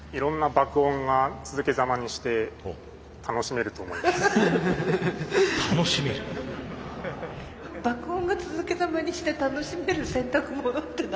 爆音が続けざまにして楽しめる洗濯物って何だ？